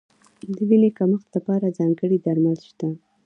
د وینې کمښت لپاره ځانګړي درمل شته.